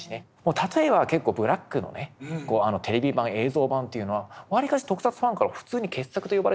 例えば結構「ＢＬＡＣＫ」のねテレビ版映像版というのはわりかし特撮ファンから普通に傑作と呼ばれてるんですよ。